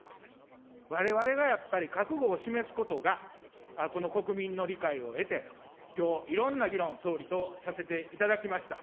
われわれがやっぱり覚悟を示すことが、この国民の理解を得て、きょう、いろんな議論、総理とさせていただきました。